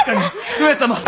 上様！